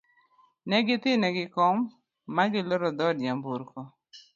negithene gi kom ma giloro dhod nyamburko